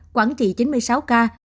quảng trị chín mươi sáu ca